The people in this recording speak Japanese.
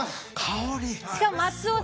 しかも松尾さん